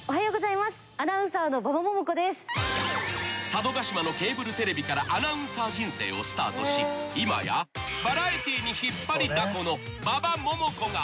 ［佐渡島のケーブルテレビからアナウンサー人生をスタートし今やバラエティに引っ張りだこの馬場ももこが潜入］